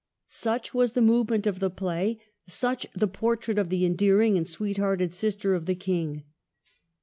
Such was the move ment of the play; such the portrait of the endearing and sweet hearted sister of the King.